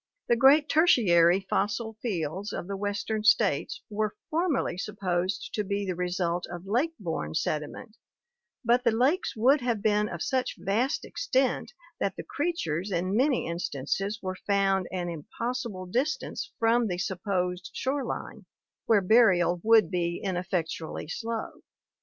The great Tertiary fossil fields of the western states were formerly sup posed to be the result of lake borne sediment, but the lakes would have been of such vast extent that the creatures in many instances were found an impossible distance from the supposed shore line, where burial would be ineffectually slow.